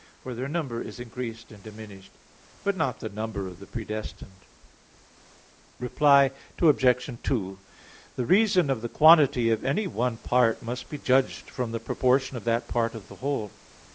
For their number is increased and diminished, but not the number of the predestined. Reply Obj. 2: The reason of the quantity of any one part must be judged from the proportion of that part of the whole.